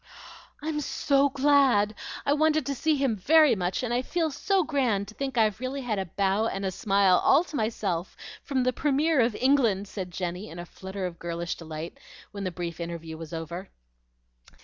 "I'm so glad! I wanted to see him very much, and I feel so grand to think I've really had a bow and a smile all to myself from the Premier of England," said Jenny in a flutter of girlish delight when the brief interview was over.